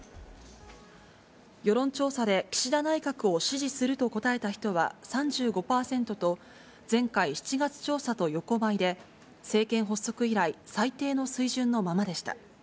世論調査で岸田内閣を支持すると答えた人は３５％と、前回・７月調査と横ばいで、政権発足以来、最低の水準のままでした。